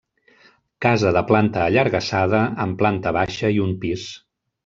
Casa de planta allargassada amb planta baixa i un pis.